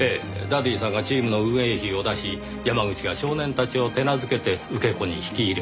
ダディさんがチームの運営費を出し山口が少年たちを手なずけて受け子に引き入れていた。